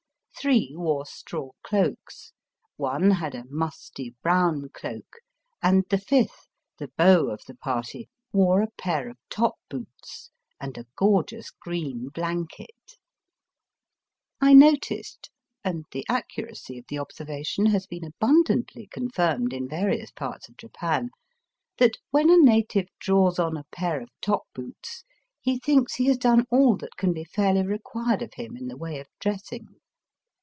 Three wore straw cloaks; one had a musty brown cloak; and the fifth, the beau of the party, wore a pair of top boots and a gorgeous green blanket. I noticed — and the accuracy of the observation Digitized by VjOOQIC SOME JAPANESE TRAITS. 189 has been abundantly confirmed in various parts of Japan — ^that when a native draws on a pair of top boots he thinks he has done all that can be faMy required of him in the way of dressing.